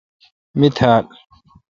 می تھال۔